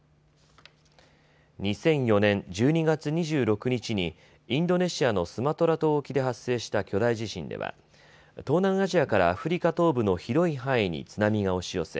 ２００４年１２月２６日にインドネシアのスマトラ島沖で発生した巨大地震では東南アジアからアフリカ東部の広い範囲に津波が押し寄せ